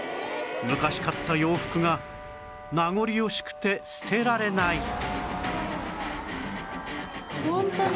昔買った洋服が名残惜しくて捨てられない